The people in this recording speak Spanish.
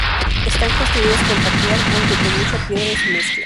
Están construidas con tapial, aunque con mucha piedra en su mezcla.